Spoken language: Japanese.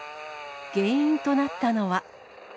原因となったのは。